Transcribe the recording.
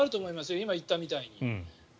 今、言ったみたいに。